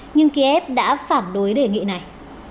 nhưng kiev đã phản đối đề nghị này